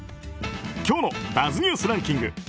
今日のＢｕｚｚニュースランキング。